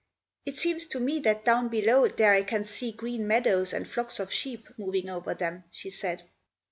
"It seems to me that down below there I can see green meadows and flocks of sheep moving over them," she said.